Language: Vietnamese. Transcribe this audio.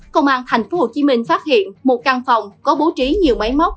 công an thành phố hồ chí minh phát hiện một căn phòng có bố trí nhiều máy móc